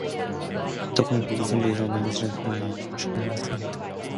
덕호의 부부는 선비 어머니가 살았을 때보다 선비를 한층 더 귀여워하고 측은히 생각하였다.